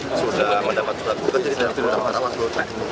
pak kamu dapat surat gugat di sini saya sudah dapat